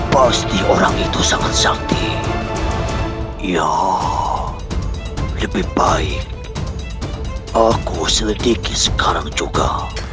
pasti orang itu sangat sakti ya lebih baik aku selidiki sekarang juga